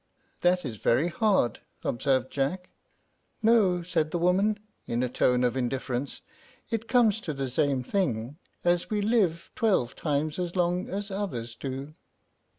"That is very hard," observed Jack. "No," said the woman, in a tone of indifference; "it comes to the same thing, as we live twelve times as long as others do."